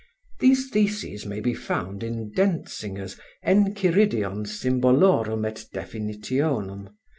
(These theses may be found in Denzinger's 'Enchiridion Symbolorum et Definitionum,' pp.